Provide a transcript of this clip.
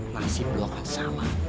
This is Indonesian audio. masih block sama